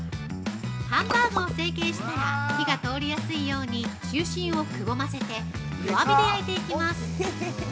ハンバーグを成形したら、火が通りやすいように、中心をくぼませて、弱火で焼いていきます。